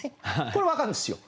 これは分かるんですよ。